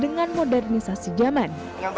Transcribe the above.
dengan modernisasi zaman